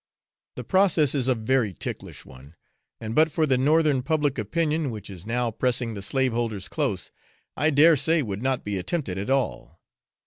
The process is a very ticklish one, and but for the northern public opinion, which is now pressing the slaveholders close, I dare say would not be attempted at all.